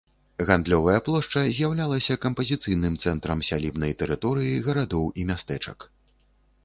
Гандлёвая плошча з'яўлялася кампазіцыйным цэнтрам сялібнай тэрыторыі гарадоў і мястэчак.